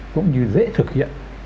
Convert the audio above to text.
cũng như dễ thực hiện